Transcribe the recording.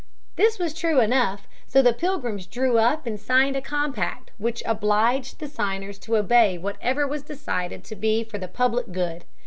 This was true enough, so the Pilgrims drew up and signed a compact which obliged the signers to obey whatever was decided to be for the public good.